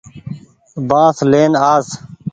بآس لين آس۔